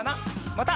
また。